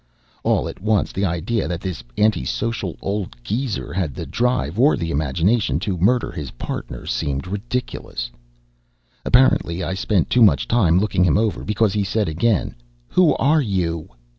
All at once, the idea that this anti social old geezer had the drive or the imagination to murder his partner seemed ridiculous. Apparently, I spent too much time looking him over, because he said again, "Who are you?"